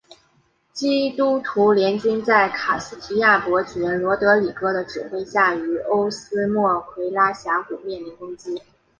基督徒联军在卡斯提亚伯爵罗德里哥的指挥下于欧斯莫奎拉峡谷面临攻击。